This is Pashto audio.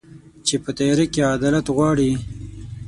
چي په تیاره کي عدالت غواړي